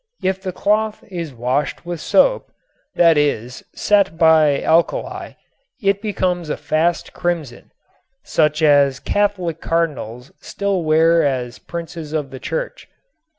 If the cloth is washed with soap that is, set by alkali it becomes a fast crimson, such as Catholic cardinals still wear as princes of the church.